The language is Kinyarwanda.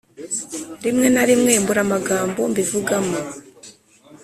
rimwe narimwe mbura amagambo mbivugamo